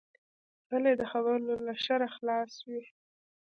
غلی، د خبرو له شره خلاص وي.